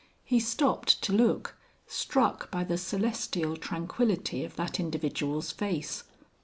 He stopped to look, struck by the celestial tranquillity of that individual's face.